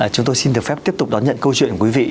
chúng tôi xin được phép tiếp tục đón nhận câu chuyện của quý vị